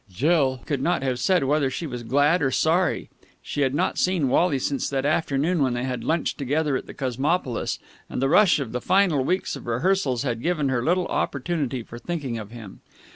Jill could not have said whether she was glad or sorry. She had not seen Wally since that afternoon when they had lunched together at the Cosmopolis, and the rush of the final weeks of rehearsals had given her little opportunity for thinking of him.